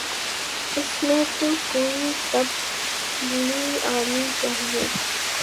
اس میں تو کوئی تبدیلی آنی چاہیے۔